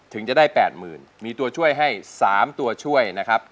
ถึงจะได้๘๐๐๐มีตัวช่วยให้๓ตัวช่วยนะครับ